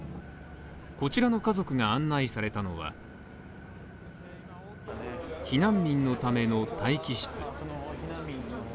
こちらの家族が案内されたのは、避難民のための待機室。